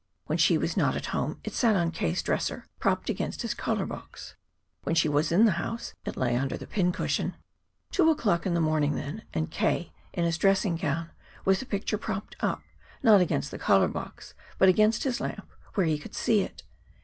When she was not at home, it sat on K.'s dresser, propped against his collar box. When she was in the house, it lay under the pin cushion. Two o'clock in the morning, then, and K. in his dressing gown, with the picture propped, not against the collar box, but against his lamp, where he could see it.